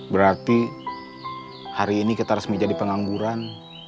berarti hari ini kita resmi jadi pengangguran